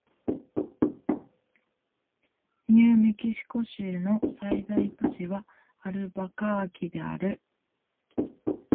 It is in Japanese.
ニューメキシコ州の最大都市はアルバカーキである